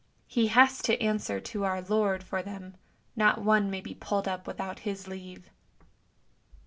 He has to answer to our Lord for them, not one may be pulled up without His leave."